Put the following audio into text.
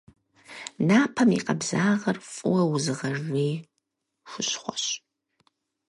Напэм и къабзагъэр фӏыуэ узыгъэжей хущхъуэщ.